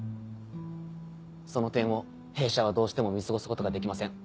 その点を弊社はどうしても見過ごすことができません。